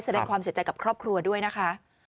แสดงความเสียใจกับครอบครัวด้วยนะคะ